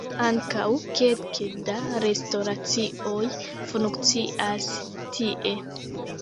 Ankaŭ kelke da restoracioj funkcias tie.